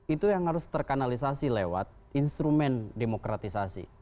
itu yang harus terkanalisasi lewat instrumen demokratisasi